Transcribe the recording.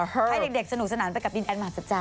ให้เด็กสนุกสนานไปกับดินแอนด์มหาศักดิ์จัง